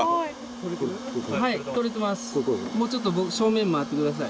もうちょっと正面回ってください。